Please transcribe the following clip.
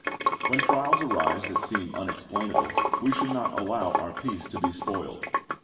When trials arise that seem unexplainable, we should not allow our peace to be spoiled.